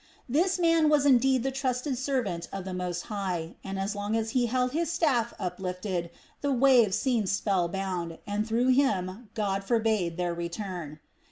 This man was indeed the trusted servant of the Most High, and so long as he held his staff uplifted, the waves seemed spell bound, and through him God forbade their return.